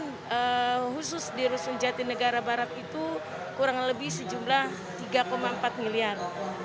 dan khusus di rusun jadinegara barat itu kurang lebih sejumlah rp tiga empat miliar